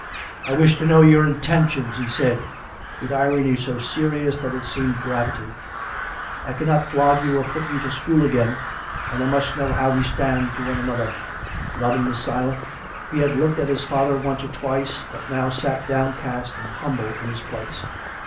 " I wish to know your intentions," he said, with irony so serious that it seemed gravity. " I cannot flog you or put you to school again, and I must know how we stand to one another." Robin was silent. He had looked at his father once or twice, but now sat downcast and humble in his place.